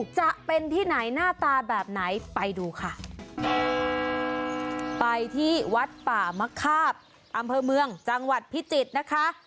จะเป็นที่ไหนหน้าตาแบบไหนไปดูค่ะไปที่วัดป่ามะคาบอำเภอเมืองจังหวัดพิจิตรนะคะ